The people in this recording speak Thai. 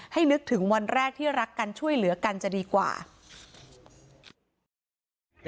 นึกถึงวันแรกที่รักกันช่วยเหลือกันจะดีกว่า